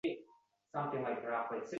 agar amal qilmasa vafot etishi mumkin.